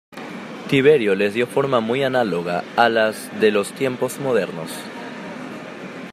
Tiberio les dio forma muy análoga a las de los tiempos modernos.